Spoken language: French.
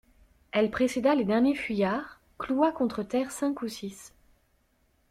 Elle précéda les derniers fuyards, cloua contre terre cinq ou six.